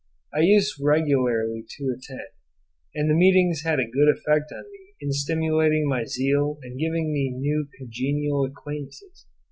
I used regularly to attend, and the meetings had a good effect on me in stimulating my zeal and giving me new congenial acquaintances.